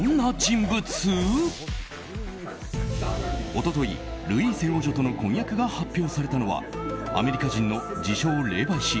一昨日ルイーセ王女との婚約が発表されたのはアメリカ人の自称霊媒師